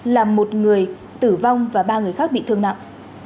làm một người tử vong và ba người khác bị thương nặng